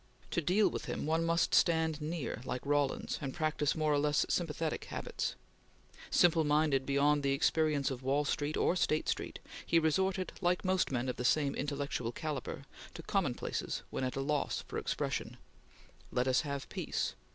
To deal with him one must stand near, like Rawlins, and practice more or less sympathetic habits. Simple minded beyond the experience of Wall Street or State Street, he resorted, like most men of the same intellectual calibre, to commonplaces when at a loss for expression: "Let us have peace!"